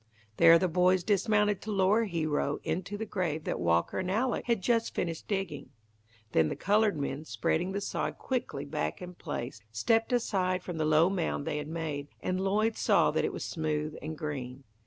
There the boys dismounted to lower Hero into the grave that Walker and Alec had just finished digging. Then the coloured men, spreading the sod quickly back in place, stepped aside from the low mound they had made, and Lloyd saw that it was smooth and green.